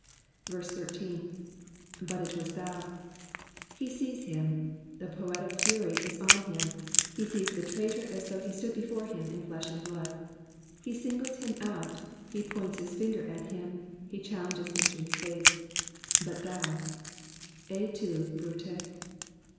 13. '''But it was thou,'''' He sees him. The poetic fury is on him, he sees the traitor as though he stood before him in flesh and blood. He singles him out, he points his finger at him, he challenges him to his face. ^'But thou.'''' Et tu^ Brute.